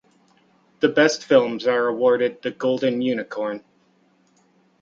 The best films are awarded the "Golden Unicorn".